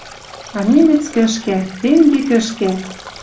А немец кӹшкӓ, тенге кӹшкӓ